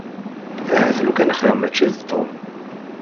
Ahat lukan xir mačči d Tom.